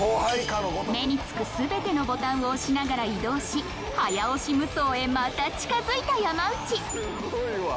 目に付く全てのボタンを押しながら移動し早押し無双へまた近づいた山内